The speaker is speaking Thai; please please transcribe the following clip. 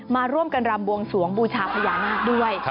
มาร่วมกันรำบวงสวงบูชาพญานาคด้วย